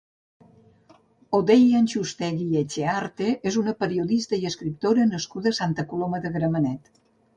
Odei Antxustegi-Etxearte és una periodista i escriptora nascuda a Santa Coloma de Gramenet.